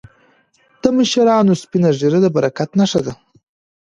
د مشرانو سپینه ږیره د برکت نښه ده.